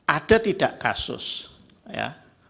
ada tidak kasus ya